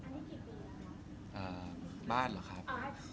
อันนี้กี่ปีแล้วครับ